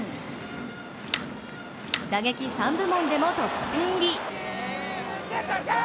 打撃３部門でも、トップ１０入り！